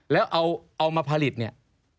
แล้วเอามาผลิตเนี่ย